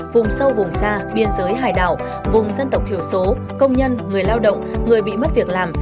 vùng sâu vùng xa biên giới hải đảo vùng dân tộc thiểu số công nhân người lao động người bị mất việc làm